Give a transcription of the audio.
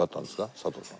佐藤さん。